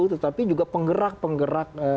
tetapi juga penggerak penggerak